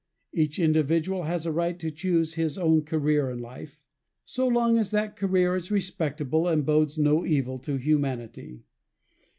Each individual has a right to choose his own career in life, so long as that career is respectable and bodes no evil to humanity.